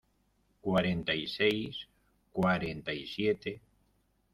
cuarenta y seis, cuarenta y siete.